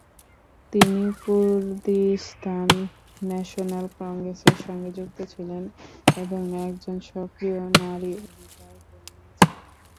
তিনি Kurdistan national কংগ্রেসের সঙ্গে যুক্ত ছিলেন এবং একজন সক্রিয় নারী অধিকার কর্মী ছিলেন।